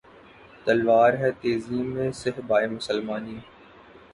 تلوار ہے تیزی میں صہبائے مسلمانی